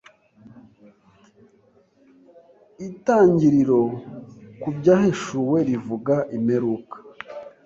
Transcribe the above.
Itangiriro ku Byahishuwe rivuga imperuka